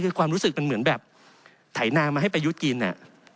คือความรู้สึกมันเหมือนแบบไถนามาให้ประยุทธ์กินอ่ะ